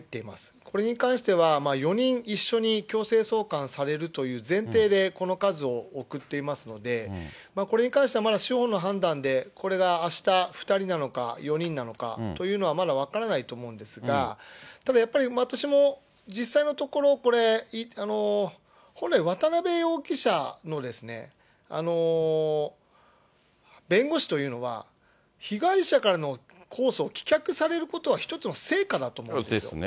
これに関しては、４人一緒に強制送還されるという前提でこの数を送っていますので、これに関してはまだ司法の判断で、これがあした、２人なのか４人なのかというのはまだ分からないと思うんですが、ただやっぱり、私も実際のところ、本来、渡辺容疑者の弁護士というのは、被害者からの控訴を棄却されることは一つの成果だと思うんです。